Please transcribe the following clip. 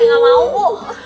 saya gak mau bu